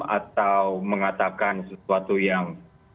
atau mengatakan sesuatu yang